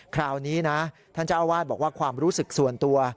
คราวนี้นะท่านเจ้าอาวาสบอกว่าความรู้สึกส่วนตัว